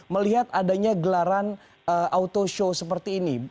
melihat adanya gelaran auto show seperti ini